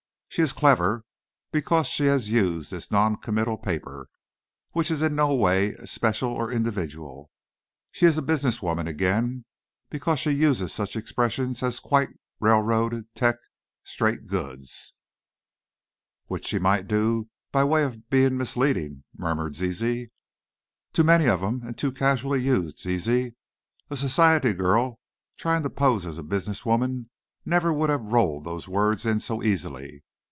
She is clever, because she has used this non committal paper, which is in no way especial or individual. She is a business woman, again, because she uses such expressions as 'quit,' railroaded,' 'Tecs,' 'straight goods,' " "Which she might do by way of being misleading " murmured Zizi. "Too many of 'em, and too casually used, Ziz. A society girl trying to pose as a business woman never would have rolled those words in so easily.